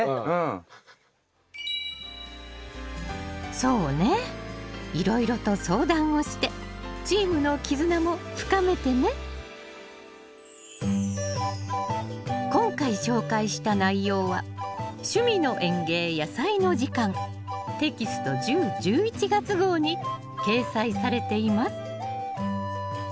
そうねいろいろと相談をしてチームの絆も深めてね今回紹介した内容は「趣味の園芸やさいの時間」テキスト１０・１１月号に掲載されています。